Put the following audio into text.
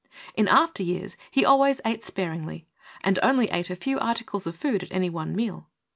In after years he always ate sparingly, and only ate a few articles of food at any one meal.